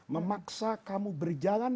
memaksa kamu berjalan